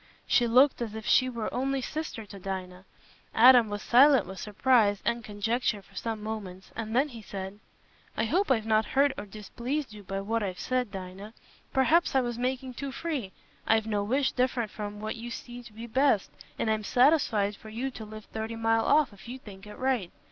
She looked as if she were only sister to Dinah. Adam was silent with surprise and conjecture for some moments, and then he said, "I hope I've not hurt or displeased you by what I've said, Dinah. Perhaps I was making too free. I've no wish different from what you see to be best, and I'm satisfied for you to live thirty mile off, if you think it right.